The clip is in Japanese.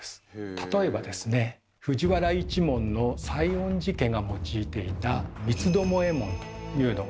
例えばですね藤原一門の西園寺家が用いていた「三つ巴紋」というのがあるんですね。